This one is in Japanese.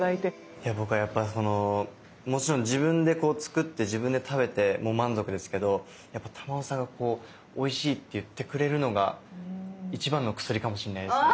いや僕はやっぱりそのもちろん自分で作って自分で食べても満足ですけどやっぱ珠緒さんがおいしいって言ってくれるのが一番の薬かもしれないですね。